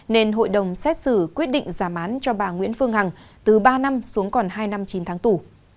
nên hội đồng xét xử quyết định giảm án cho bà nguyễn phương hằng từ ba năm xuống còn hai năm chín tháng tù